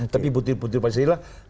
tapi butir butir pancasila